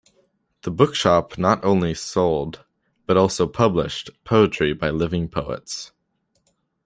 The Bookshop not only sold, but also published, poetry by living poets.